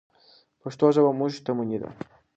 پښتو ژبه زموږ شتمني ده.